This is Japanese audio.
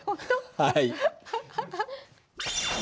はい。